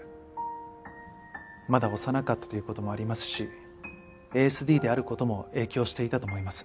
まだ幼かったという事もありますしＡＳＤである事も影響していたと思います。